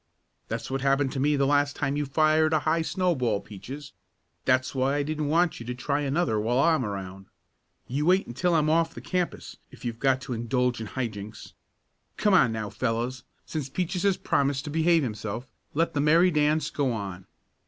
"That's what happened to me the last time you fired a high snowball, Peaches. That's why I didn't want you to try another while I'm around. You wait until I'm off the campus if you've got to indulge in high jinks. Come on now, fellows, since Peaches has promised to behave himself, let the merry dance go on.